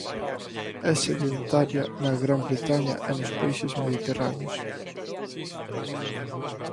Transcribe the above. É sedentaria na Gran Bretaña e nos países mediterráneos.